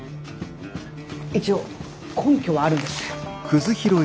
一応根拠はあるんです。